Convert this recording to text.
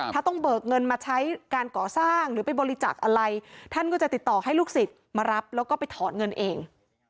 ถ้าต้องเบิกเงินมาใช้การก่อสร้างหรือไปบริจาคอะไรท่านก็จะติดต่อให้ลูกศิษย์มารับแล้วก็ไปถอนเงินเอง